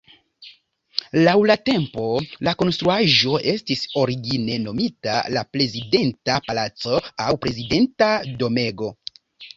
Laŭ la tempo, la konstruaĵo estis origine nomita la Prezidenta Palaco aŭ Prezidenta Domego.